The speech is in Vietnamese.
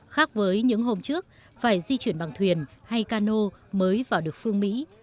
khác với những hôm trước phải di chuyển bằng thuyền hay cano mới vào được phương mỹ